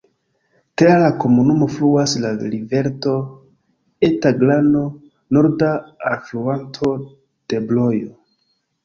Tra la komunumo fluas la rivereto Eta Glano, norda alfluanto de Brojo.